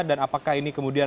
dan apakah ini kemudian